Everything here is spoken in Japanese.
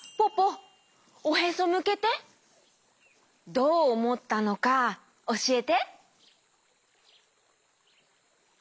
どうおもったのかおしえて。